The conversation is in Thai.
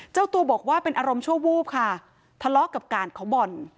เจ้าตัวบอกว่าเป็นอารมณ์ชั่ววูบค่ะทะเลาะกับกาดของบ่อน